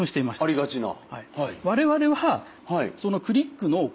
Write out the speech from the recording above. ありがちな。